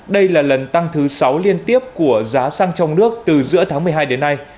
đây là lần tăng thứ sáu liên tiếp của giá xăng trong nước từ giữa tháng một mươi hai đến nay